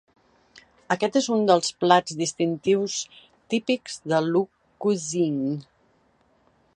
Aquest és un dels plats distintius típics de Lu Cuisine.